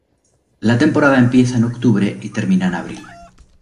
La temporada empieza en octubre y termina en abril.